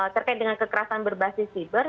terkait dengan kekerasan berbasis siber